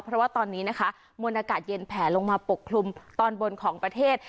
เพราะว่าตอนนี้นะคะมวลอากาศเย็นแผลลงมาปกคลุมตอนบนของประเทศ